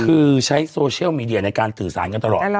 คือใช้โซเชียลมีเดียในการสื่อสารกันตลอด